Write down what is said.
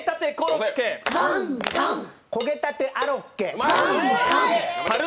こげたてアロッケ。